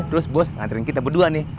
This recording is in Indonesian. terus bos ngantriin kita berdua nih ke